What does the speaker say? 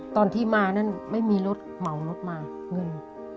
ตอนที่มานั่นไม่มีรถเหมารถมาเงิน